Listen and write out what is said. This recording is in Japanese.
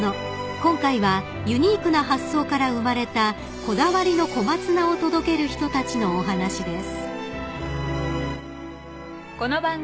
［今回はユニークな発想から生まれたこだわりのコマツナを届ける人たちのお話です］